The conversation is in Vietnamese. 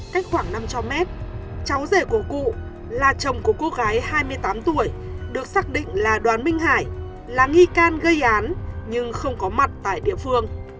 cách khoảng năm trăm linh m cháu rể của cụ là chồng của cô gái hai mươi tám tuổi được xác định là đoàn minh hải là nghi can gây án nhưng không có mặt tại địa phương